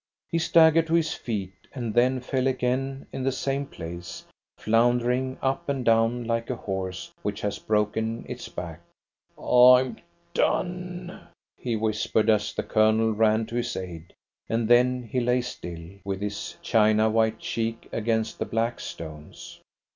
He staggered to his feet, and then fell again in the same place, floundering up and down like a horse which has broken its back. "I'm done!" he whispered, as the Colonel ran to his aid, and then he lay still, with his china white cheek against the black stones.